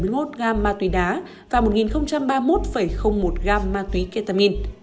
bốn mươi bảy mươi một gram ma túy đá và một ba mươi một một gram ma túy ketamin